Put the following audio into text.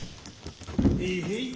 ・へいへい。